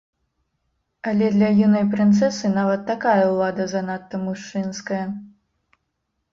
Але для юнай прынцэсы нават такая ўлада занадта мужчынская.